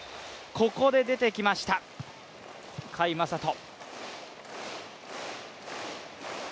ここで出てきました、甲斐優斗。